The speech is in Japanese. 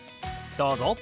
どうぞ。